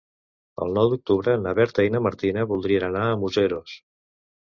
El nou d'octubre na Berta i na Martina voldrien anar a Museros.